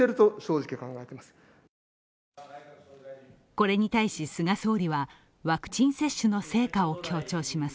これに対し菅総理は、ワクチン接種の成果を強調します。